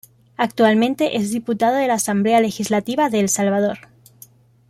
Actualmente es diputado de la Asamblea Legislativa de El Salvador.